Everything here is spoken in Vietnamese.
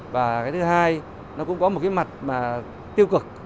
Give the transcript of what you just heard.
và thứ hai nó cũng có một cái mặt tiêu cực